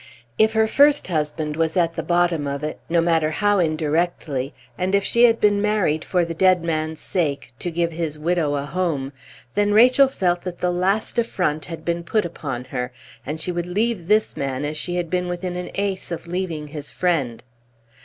If her first husband was at the bottom of it, no matter how indirectly, and if she had been married for the dead man's sake, to give his widow a home, then Rachel felt that the last affront had been put upon her, and she would leave this man as she had been within an ace of leaving his friend.